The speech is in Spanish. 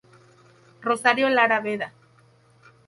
Rosario Lara Vda.